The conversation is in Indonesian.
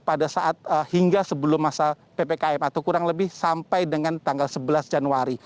pada saat hingga sebelum masa ppkm atau kurang lebih sampai dengan tanggal sebelas januari